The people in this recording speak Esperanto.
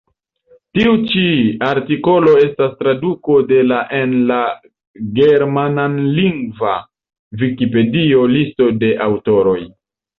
Tiu ĉi artikolo estas traduko de la en la germanlingva vikipedio, listo de aŭtoroj.